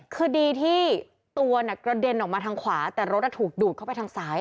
คือดีที่ตัวกระเด็นออกมาทางขวาแต่รถถูกดูดเข้าไปทางซ้าย